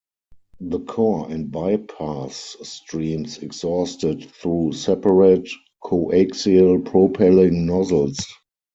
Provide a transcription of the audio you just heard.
The core and bypass streams exhausted through separate coaxial propelling nozzles.